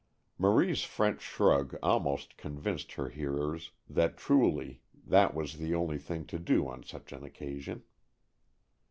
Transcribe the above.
Marie's French shrug almost convinced her hearers that truly that was the only thing to do on such an occasion.